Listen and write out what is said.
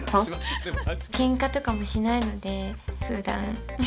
ケンカとかもしないのでふだん。